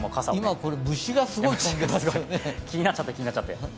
今、虫がすごい気になっちゃって、気になっちゃって。